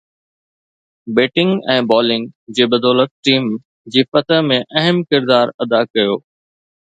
batting ۽ bowling جي بدولت team جي فتح ۾ اهم ڪردار ادا ڪيو